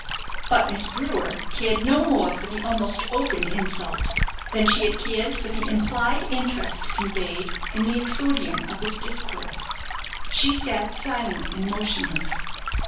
But Miss Brewer cared no more for the almost open insult, than she had cared for the implied interest conveyed in the exordium of his discourse. She sat silent and motionless.